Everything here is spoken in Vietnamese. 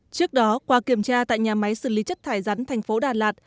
trước đó qua kiểm tra tại nhà máy xử lý chất thải rắn tp đà lạt